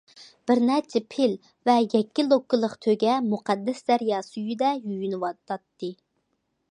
بىر نەچچە پىل ۋە يەككە لوككىلىق تۆگە مۇقەددەس دەريا سۈيىدە يۇيۇنۇۋاتاتتى.